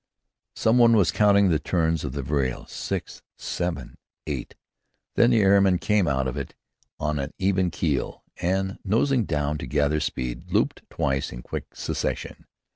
Some one was counting the turns of the vrille. Six, seven, eight; then the airman came out of it on an even keel, and, nosing down to gather speed, looped twice in quick succession.